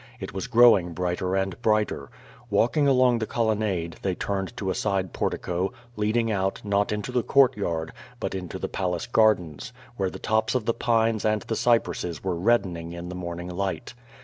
It was growing brighter and brighter. Walking along the Colonnade, they turned to a side portico, leading out, not into the court yard, but into the Palace gardens, where the tops of the pines and the cypresses were reddening in the morning light.